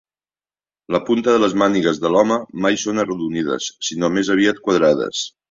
La punta de les mànigues de l'home mai són arrodonides, sinó més aviat quadrades.